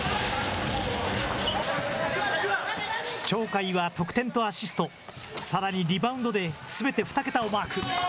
鳥海は得点とアシスト、さらにリバウンドですべて２桁をマーク。